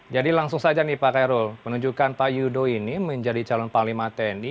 langsung saja nih pak kairul menunjukkan pak yudo ini menjadi calon panglima tni